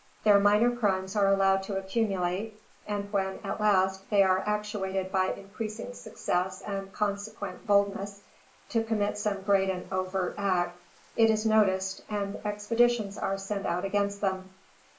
Their minor crimes are allowed to accumulate, and when, at last, they are actuated by increasing success and consequent boldness, to commit some great and overt act, it is noticed and expeditions are sent out against them.